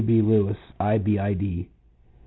B. Lewis, ibid. p.